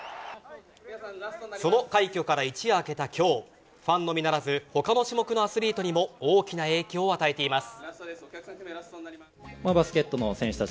その快挙から一夜明けた今日ファンのみならず他の種目のアスリートにも大きな影響を与えています。